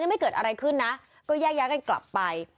ไม่เกิดอะไรขึ้นนะก็แยกย้ายกันกลับไป